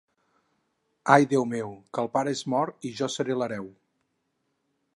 Ai, Déu meu!, que el pare és mort i jo seré l'hereu.